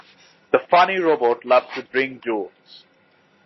The funny robot loves to drink juice.